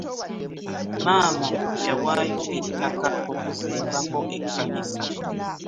Maama yawayo ettaka okuzimbako ekkanisa.